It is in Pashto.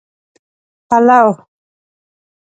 پلو